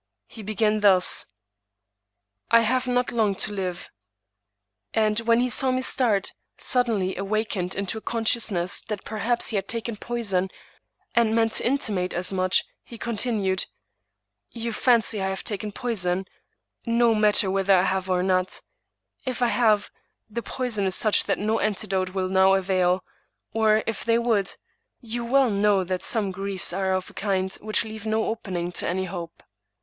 He began thus: " I have not long to live "; and when he saw me start, suddenly awakened into a consciousness that perhaps he had taken poison, and meant to intimate as much, he continued :" You fancy I have taken poison ;— ^no matter whether I have or not ; if I have, the poison is such that no antidote will now avail; or, if they would, you well know that some griefs are of a kind which leave no open ing to any hope.